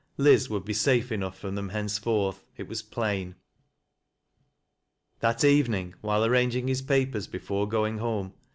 Liz would be safe enough from them henceforth, it was plain. That evening while arranging his papers befuie going liome.